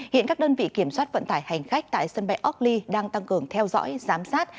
hiện các đơn vị kiểm soát vận tải hành khách tại sân bay orkly đang tăng cường theo dõi giám sát